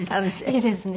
いいですね。